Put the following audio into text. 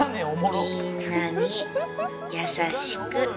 みんなにやさしく。